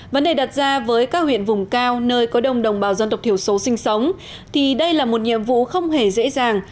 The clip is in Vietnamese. vấn đề đặt ra với các huyện vùng cao nơi có đông đồng bào dân tộc thiểu số sinh sống thì đây là một nhiệm vụ không hề dễ dàng